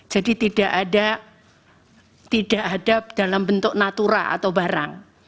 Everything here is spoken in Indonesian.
jadi tidak ada tidak ada dalam bentuk natura atau barang